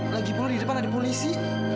lagipun di depan ada polisi